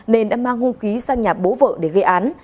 nên đã mang hung khí sang nhà bố vợ để gây án